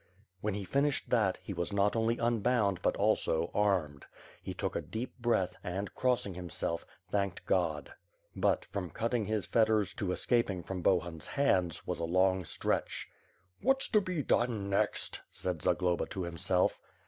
When he finished that, he was not only unbound but also armed. He took a deep breath and, crossing himself, thanked God. But, from cud; ting his fetters to escaping from Bohim^s hands, was a long stretch. ^'Wiiat^s to be done next," said Zagloba to himself.